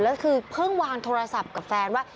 แล้วคือเพิ่งวางโทรศัพท์กับแฟนว่า